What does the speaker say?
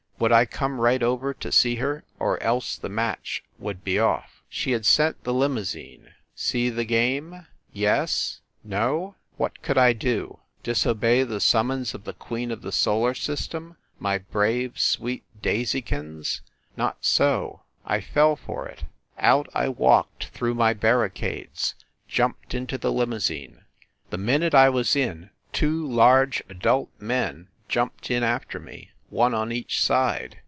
Would I come right over to see her, or else the match would be off. She had sent the limou sine. See the game ? Yes ? No ? What could I do? Disobey the summons of the queen of the solar system, my brave, sweet Daisy kins? Not so! I fell for it. Out I walked through my barricades, jumped into the limousine. The min ute I was in, two large, adult men jumped in after me. One on each side.